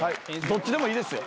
どっちでもいいですよ。